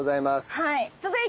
はい。